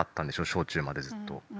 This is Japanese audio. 小中までずっと。